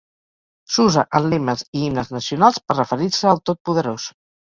S'usa en lemes i himnes nacionals per referir-se al Totpoderós.